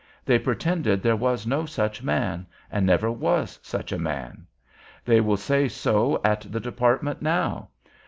They pretended there was no such man, and never was such a man. They will say so at the Department now!